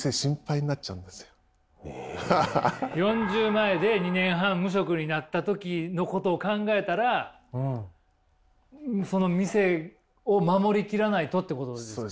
４０前で２年半無職になった時のことを考えたらその店を守り切らないとってことですか？